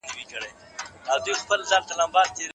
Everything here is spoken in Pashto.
سید جمال الدین افغاني هم د دې پېښې یادونه کړې.